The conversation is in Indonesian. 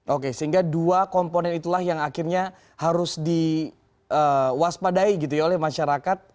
oke sehingga dua komponen itulah yang akhirnya harus diwaspadai gitu ya oleh masyarakat